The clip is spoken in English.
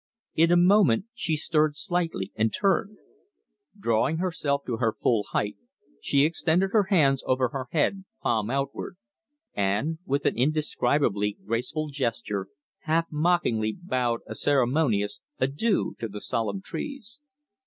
In a moment she stirred slightly, and turned. Drawing herself to her full height, she extended her hands over her head palm outward, and, with an indescribably graceful gesture, half mockingly bowed a ceremonious adieu to the solemn trees.